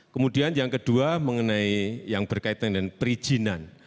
kemudian yang kedua mengenai yang berkaitan dengan perizinan